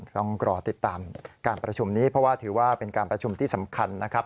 ต้องรอติดตามการประชุมนี้เพราะว่าถือว่าเป็นการประชุมที่สำคัญนะครับ